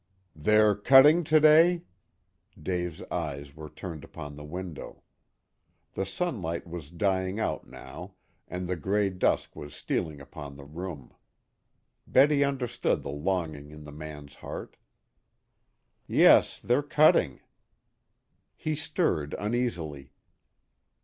"They're cutting to day?" Dave's eyes were turned upon the window. The sunlight was dying out now, and the gray dusk was stealing upon the room. Betty understood the longing in the man's heart. "Yes, they're cutting." He stirred uneasily.